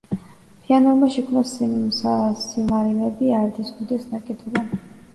ფეანორმა შექმნა სილმარილები, არდის უდიდესი ნაკეთობანი.